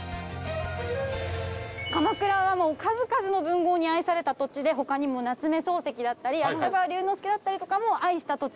鎌倉は数々の文豪に愛された土地で他にも夏目漱石だったり芥川龍之介だったりとかも愛した土地なんですね。